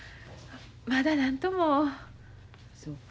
まだ何とも。そうか。